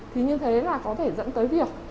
thì như thế là có thể dẫn tới việc